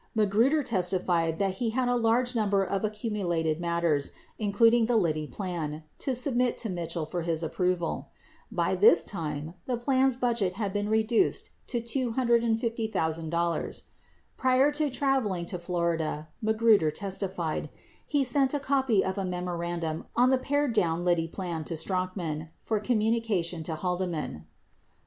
Magruder testified that he had a large number of accumulated matters, including the Liddy plan, to submit to Mitchell for his approval. By this time, the plan's budget had been reduced to $250,000. 92 Prior to traveling to Florida, Magruder testified, he sent a copy of a memorandum on the pared down Liddy plan to Strachan for communication to Haldeman.